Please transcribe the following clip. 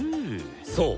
そう。